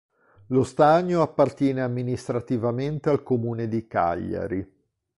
Lo stagno appartiene amministrativamente al comune di Cagliari.